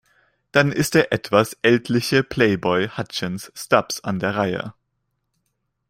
Dann ist der etwas ältliche Playboy Hutchins Stubbs an der Reihe.